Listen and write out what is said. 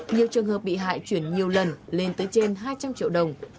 nhiều trường hợp bị hại chuyển nhiều lần lên tới trên hai trăm linh triệu đồng